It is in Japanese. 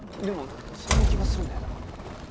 でもそんな気がするんだよなあ。